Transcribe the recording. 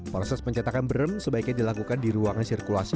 proses pencetakan brem sebaiknya dilakukan di ruangan sirkulasi